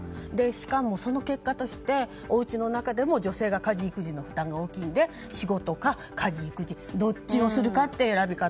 しかも、その結果としておうちの中でも女性が家事育児の負担が大きいので仕事か家事育児どっちをするかって選び方。